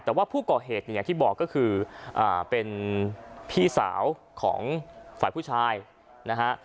แต่ว่าผู้ก่อเหตุเนี่ยอย่างที่บอกก็คือเป็นพี่สาวของฝ่ายผู้ชายนะฮะ